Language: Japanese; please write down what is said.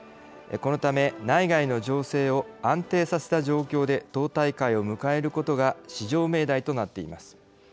このため内外の情勢を安定させた状況で党大会を迎えることが至上命題となっています。